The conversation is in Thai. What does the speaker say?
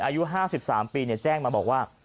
อายุ๕๓ปีแจ้งมาบอกว่า